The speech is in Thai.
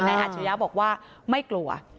นายอัฐิริยะบอกว่าไม่กลัว